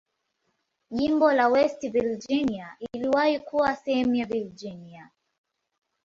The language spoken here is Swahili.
Jimbo la West Virginia iliwahi kuwa sehemu ya Virginia.